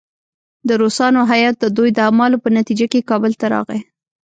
د روسانو هیات د دوی د اعمالو په نتیجه کې کابل ته راغی.